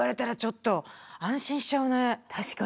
確かに。